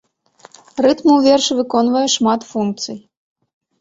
Рытм у вершы выконвае шмат функцый.